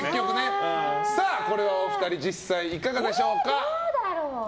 さあ、これはお二人実際、いかがでしょうか？